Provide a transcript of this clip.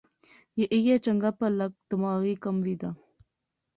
یہ ایہہ چنگا پہلا دماغی کم وی دا